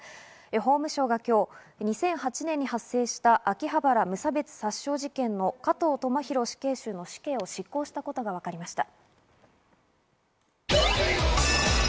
法務省が今日、２００８年に発生した、秋葉原無差別殺傷事件の加藤智大死刑囚の死刑を執行したことがわかりました。